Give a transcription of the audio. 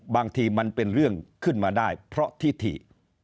บางทีมันเป็นเรื่องขึ้นมาได้เพราะทิธิ